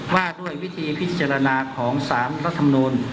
ว่าด้วยวิธีพิจารณาของสารรัฐมนูล